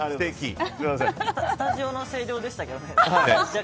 スタジオの声量でしたけどね。